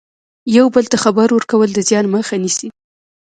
یو بل ته خبر ورکول د زیان مخه نیسي.